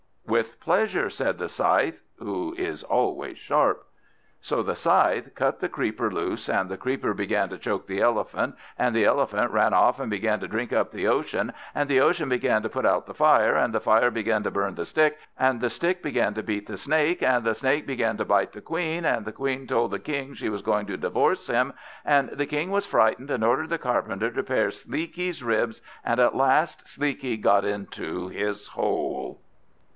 "With pleasure," said the Scythe, who is always sharp. So the Scythe cut the Creeper loose, and the Creeper began to choke the Elephant, and the Elephant ran off and began to drink up the Ocean, and the Ocean began to put out the Fire, and the Fire began to burn the Stick, and the Stick began to beat the Snake, and the Snake began to bite the Queen, and the Queen told the King she was going to divorce him, and the King was frightened, and ordered the Carpenter to pare Sleekie's ribs, and at last Sleekie got into his hole.